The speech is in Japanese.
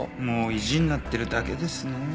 もう意地になってるだけですね。